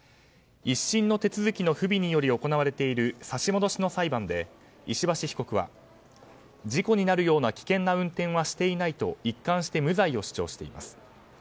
１審の手続きの不備により行われている差し戻しの裁判で石橋被告は事故になるような危険な運転はしていないと一貫して無罪を主張しています。